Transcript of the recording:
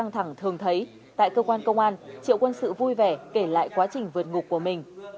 công khí căng thẳng thường thấy tại cơ quan công an triệu quân sự vui vẻ kể lại quá trình vượt ngục của mình